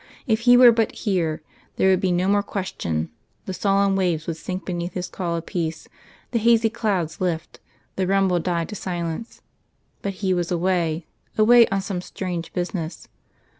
if He were but here, there would be no more question: the sullen waves would sink beneath His call of peace, the hazy clouds lift, the rumble die to silence. But He was away away on some strange business.